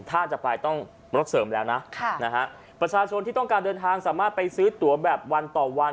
ถ้าจะไปต้องรถเสริมแล้วนะค่ะนะฮะประชาชนที่ต้องการเดินทางสามารถไปซื้อตัวแบบวันต่อวัน